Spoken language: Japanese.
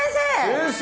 先生。